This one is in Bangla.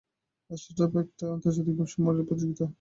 স্টার্টআপ কাপ একটি আন্তর্জাতিক ব্যবসায় মডেল প্রতিযোগিতা।